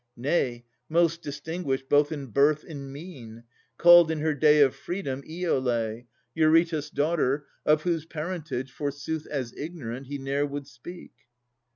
Nay, most distinguished both in birth and mien; Called in her day of freedom Iolè, Eurytus' daughter, of whose parentage, Forsooth as ignorant, he ne'er would speak.